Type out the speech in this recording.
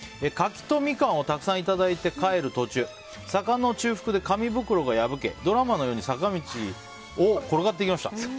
柿とミカンをたくさんいただいて帰る途中坂の中腹で紙袋が破けドラマのように坂道を転がっていきました。